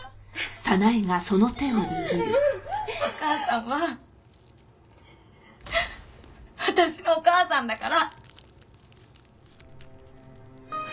お母さんは私のお母さんだから！